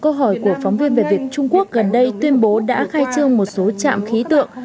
câu hỏi của phóng viên về việc trung quốc gần đây tuyên bố đã khai trương một số trạm khí tượng